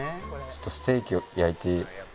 ちょっとステーキを焼いてもらって。